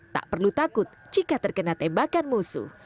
tak perlu takut jika terkena tembakan musuh